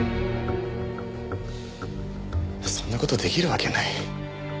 そんな事出来るわけない。